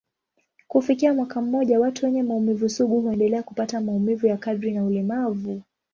Kufikia mwaka mmoja, watu wenye maumivu sugu huendelea kupata maumivu ya kadri na ulemavu.